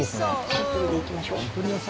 シンプルにいきましょう。